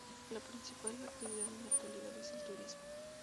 La principal actividad en la actualidad es el turismo.